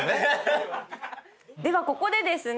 ではここでですね